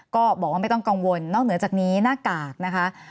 ก็บอกว่าไม่ต้องกังวลนอกเหนือจากนี้หน้ากากนะคะ